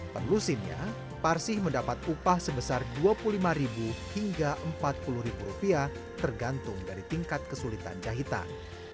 penlusinnya parsi mendapat upah sebesar dua puluh lima hingga empat puluh rupiah tergantung dari tingkat kesulitan jahitan